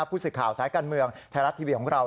ผู้สื่อข่าวสายการเมืองไทยรัฐทีวีของเรา